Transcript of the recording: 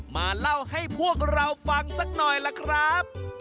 มาเล่าให้พวกเราฟังสักหน่อยล่ะครับ